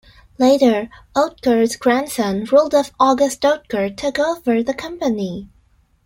Later, Oetker's grandson Rudolf August Oetker took over the company.